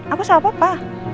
aku sama papa